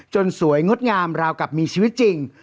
สวยงดงามราวกับมีชีวิตจริง